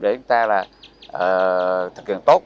để chúng ta thực hiện tốt